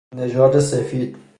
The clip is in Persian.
نژادسفید